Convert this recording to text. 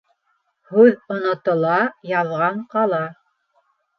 Һүҙ онотола, яҙған ҡала.